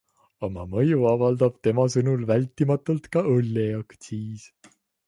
Oma mõju avaldab tema sõnul vältimatult ka õlleaktsiis.